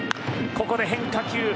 ここで変化球。